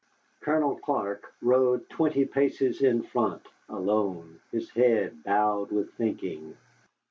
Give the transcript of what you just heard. Colonel Clark rode twenty paces in front, alone, his head bowed with thinking.